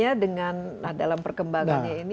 bagaimana dengan dalam perkembangannya ini